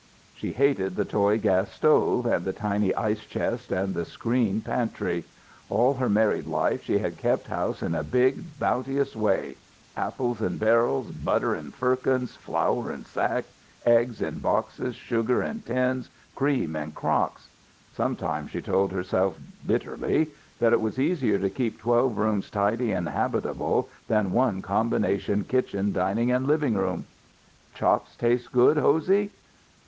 She hated the toy gas stove, and the tiny ice chest and the screen pantry. All her married life she had kept house in a big, bounteous way; apples in barrels; butter in firkins; flour in sacks; eggs in boxes; sugar in bins; cream in crocks. Sometimes she told herself, bitterly, that it was easier to keep twelve rooms tidy and habitable than one combination kitchen dining and living room. "Chops taste good, Hosey?"